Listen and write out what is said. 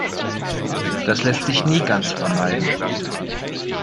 Das lässt sich nie ganz vermeiden.